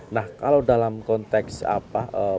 nah kalau dalam konteks apa